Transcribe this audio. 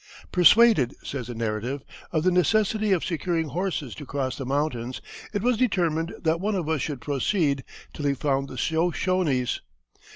"Persuaded," says the narrative, "of the necessity of securing horses to cross the mountains, it was determined that one of us should proceed ... till he found the Shoshones